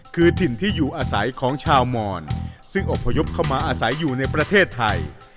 คือถิ่นที่อยู่อาศัยของชาวมอนซึ่งอบพยพเข้ามาอาศัยอยู่ในประเทศไทย